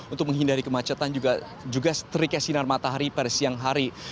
untuk menghindari kemacetan juga teriknya sinar matahari pada siang hari